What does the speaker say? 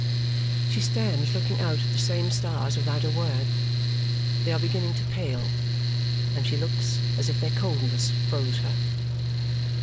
She stands looking out at the same stars without a word. They are beginning to pale, and she looks as if their coldness froze her.